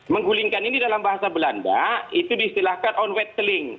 menggulingkan ini dalam bahasa belanda itu diistilahkan on wetling